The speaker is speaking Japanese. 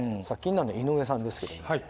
さあ気になるのは井上さんですけど。